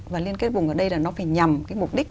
và liên kết vùng ở đây là nó phải nhằm cái mục đích